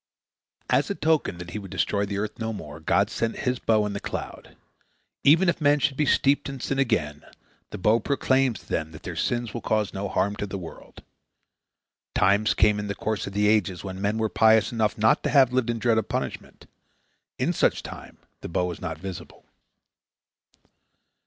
As a token that He would destroy the earth no more, God set His bow in the cloud. Even if men should be steeped in sin again, the bow proclaims to them that their sins will cause no harm to the world. Times came in the course of the ages when men were pious enough not to have to live in dread of punishment. In such times the bow was not visible.